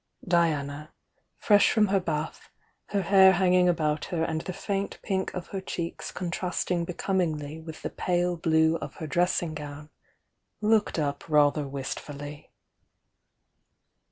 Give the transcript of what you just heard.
88 af THE YOUXC; DIANA 89 Diana, fresh from her bath, her hair hanging about her and the faint pink of her cheeks contrasting be comingly with the pale blue of her dressing gown, looked up rather wistfully.